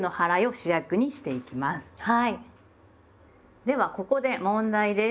ではここで問題です。